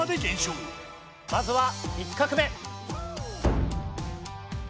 まずは１画目。